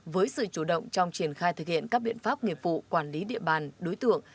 với sự chủ động trong triển khai thực hiện các biện pháp nghiệp vụ quản lý địa bàn đối tượng